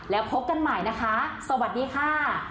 แล้วพบกันใหม่นะคะสวัสดีค่ะ